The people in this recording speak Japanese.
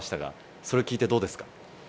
それを聞いてどうですか？